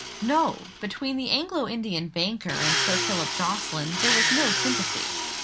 No! between the Anglo Indian banker and Sir Philip Jocelyn there was no sympathy.